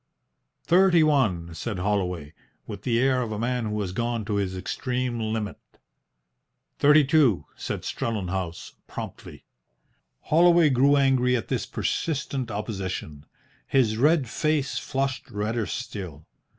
"Thirty one," said Holloway, with the air of a man who has gone to his extreme limit. "Thirty two," said Strellenhaus, promptly. Holloway grew angry at this persistent opposition. His red face flushed redder still.